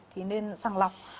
thì nên sẵn lọc